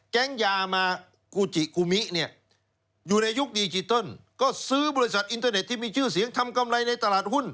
แก๊งยามากูจิกุมิเนี่ยอยู่ในยุคดิจิตอลก็ซื้อบริษัทอินเทอร์เน็ตที่มีชื่อเสียงทำกำไรในตลาดหุ้น